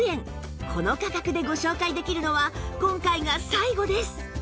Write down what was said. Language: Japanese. この価格でご紹介できるのは今回が最後です！